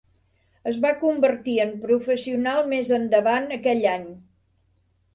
Es va convertir en professional més endavant aquell any.